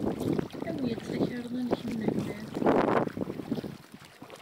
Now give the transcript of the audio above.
Awey-d takarḍa-nnek n unelmad!